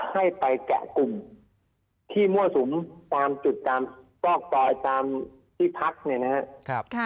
ให้ไปแกะกลุ่มที่มั่วสุมตามจุดตามซอกซอยตามที่พักเนี่ยนะครับ